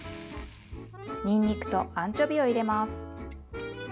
にんにくとアンチョビを入れます。